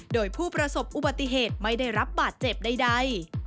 โดยผู้ประสบอุบัติเหตุไม่ได้รับบาดเจ็บใด